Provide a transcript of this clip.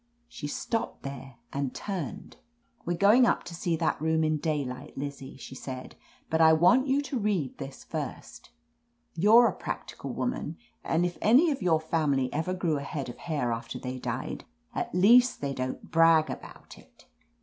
She stopped there and turned. "We're going up to see that room in day light, Lizzie," she said, "but I want you to read this first. You're a practical woman, and if any of your family ever grew a head of hair after they died, at least you don't brag about it."